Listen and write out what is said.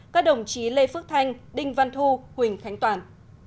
các đồng chí lê phước thanh đinh văn thu huỳnh khánh toàn